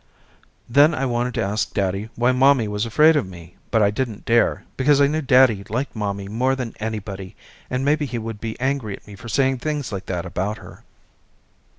Then I wanted to ask daddy why mommy was afraid of me but I didn't dare because I knew daddy liked mommy more than anybody and maybe he would be angry at me for saying things like that about her.